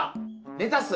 レタス。